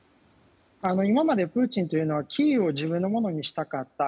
今までプーチンはキーウを自分のものにしたかった。